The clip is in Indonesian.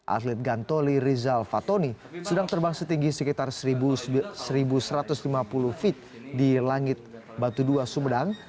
atlet gantoli rizal fatoni sedang terbang setinggi sekitar seribu satu ratus lima puluh feet di langit batu dua sumedang